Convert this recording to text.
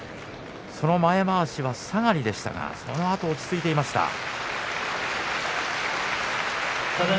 その前まわしは下がりでしたがそのあと落ち着いていました。